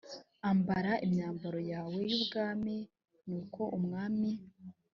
ambara imyambaro yawe y ubwami nuko umwami